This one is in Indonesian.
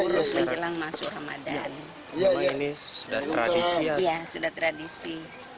kepada kemaren ini sudah tradisi